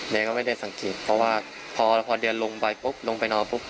ก็ไม่ได้สังเกตเพราะว่าพอเดินลงไปปุ๊บลงไปนอนปุ๊บ